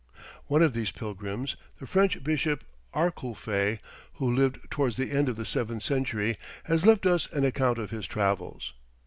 One of these pilgrims, the French Bishop Arculphe, who lived towards the end of the seventh century, has left us an account of his travels.